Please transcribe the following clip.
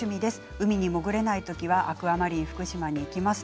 海に潜れない時はアクアマリンふくしまに行きます。